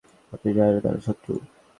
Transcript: আপনি জানেন তারা আমাদের শত্রু।